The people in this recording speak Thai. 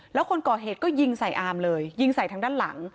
แล้วคนก่อเหตุก็ยิงใส่อามเลยยิงใส่ทางด้านหลัง